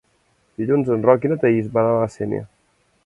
Dilluns en Roc i na Thaís van a la Sénia.